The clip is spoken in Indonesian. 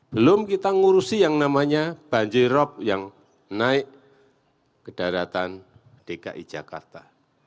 belum kita ngurusi yang namanya banjirop yang naik ke daratan dki jakarta